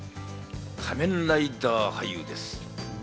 『仮面ライダー』俳優です。